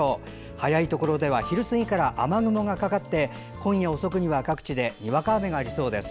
早いところでは昼過ぎから雨雲がかかって今夜遅くには、各地でにわか雨がありそうです。